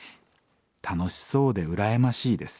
楽しそうで羨ましいです。